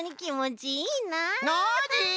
ノージー！